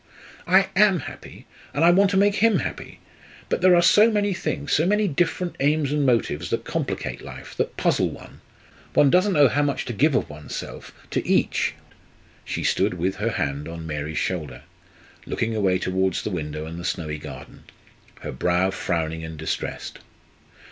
"I am happy and I want to make him happy. But there are so many things, so many different aims and motives, that complicate life, that puzzle one. One doesn't know how much to give of one's self, to each " She stood with her hand on Mary's shoulder, looking away towards the window and the snowy garden, her brow frowning and distressed.